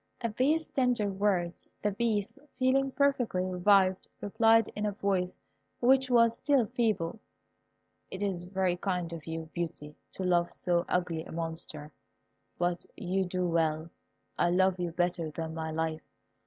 At these tender words the Beast, feeling perfectly revived, replied, in a voice which was still feeble, "It is very kind of you, Beauty, to love so ugly a monster, but you do well. I love you better than my life.